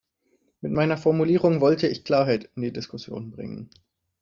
Mit meiner Formulierung wollte ich Klarheit in die Diskussion bringen.